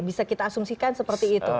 bisa kita asumsikan seperti itu